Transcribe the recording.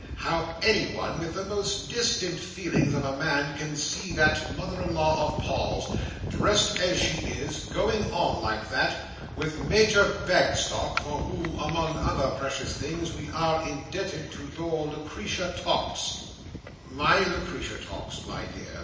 How anyone with the most distant feelings of a man, can see that mother in law of Paul's, dressed as she is, going on like that, with Major Bagstock, for whom, among other precious things, we are indebted to your Lucretia Tox." "My Lucretia Tox, my dear!"